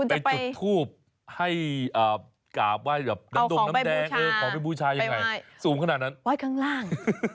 ไปจุดทูปให้กราบไหว้แบบเอาของไปบูชายังไงสูงขนาดนั้นไหว้ข้างล่าง